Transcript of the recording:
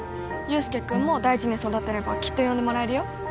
祐介君も大事に育てればきっと呼んでもらえるよ。